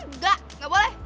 nggak nggak boleh